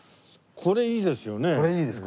これいいですか？